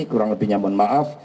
kurang lebihnya mohon maaf